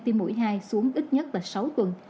tiêm mũi hai xuống ít nhất là sáu tuần